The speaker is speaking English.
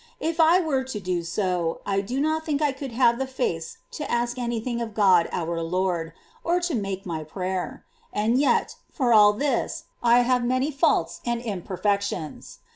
If I were to do so, I do not think I could have the face to ask any thing of God our Lord, or to make my prayer ; and yet, for all this, I have many faults and imperfections.